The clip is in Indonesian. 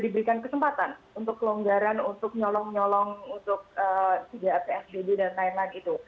diberikan kesempatan untuk kelonggaran untuk nyolong nyolong untuk tidak psbb dan lain lain itu